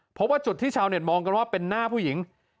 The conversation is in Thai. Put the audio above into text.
เพราะว่าจุดที่ชาวเน็ตมองกันว่าเป็นหน้าผู้หญิง